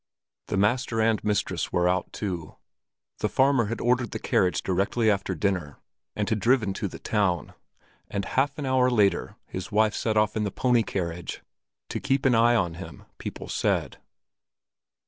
The master and mistress were out too; the farmer had ordered the carriage directly after dinner and had driven to the town, and half an hour later his wife set off in the pony carriage —to keep an eye on him, people said.